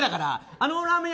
あのラーメン屋